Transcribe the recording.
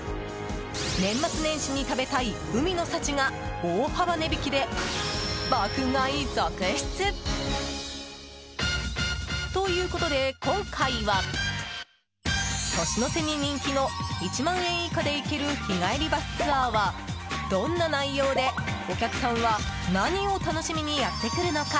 年末年始に食べたい海の幸が大幅値引きで爆買い続出！ということで、今回は年の瀬に人気の１万円以下で行ける日帰りバスツアーはどんな内容で、お客さんは何を楽しみにやって来るのか？